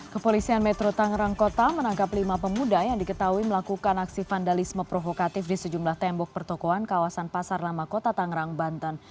kepolisian metro tangerang kota menangkap lima pemuda yang diketahui melakukan aksi vandalisme provokatif di sejumlah tembok pertokohan kawasan pasar lama kota tangerang banten